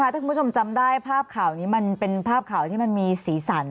ถ้าคุณผู้ชมจำได้ภาพข่าวนี้มันเป็นภาพข่าวที่มันมีสีสัน